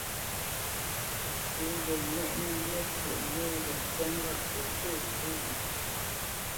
Pʉ̌ gho mɛnə́ məfyeʼ mú gho ntyá ŋgâʼ o pə̂ fú wye.